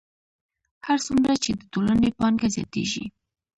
هر څومره چې د ټولنې پانګه زیاتېږي